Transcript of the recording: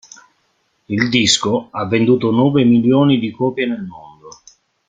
Il disco ha venduto nove milioni di copie nel mondo.